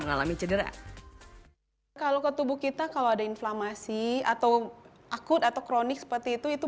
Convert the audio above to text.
mengalami cedera kalau ke tubuh kita kalau ada inflamasi atau akut atau kronik seperti itu itu